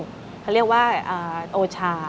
เขาเรียกว่าโอชา